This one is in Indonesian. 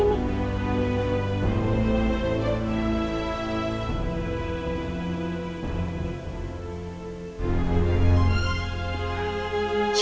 harum sekali tempat ini